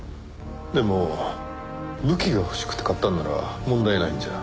でも武器が欲しくて買ったのなら問題ないんじゃ？